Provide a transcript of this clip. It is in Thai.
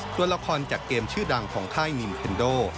ตัวละครจากเกมชื่อดังของค่ายนิมเฮนโด